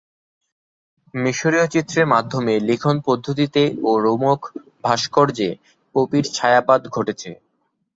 মিশরীয় চিত্রের মাধ্যমে লিখন পদ্ধতিতে ও রোমক ভাস্কর্যে পপির ছায়াপাত ঘটেছে।